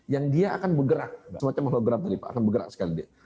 yang dia akan bergerak semacam hologram tadi pak akan bergerak sekali dia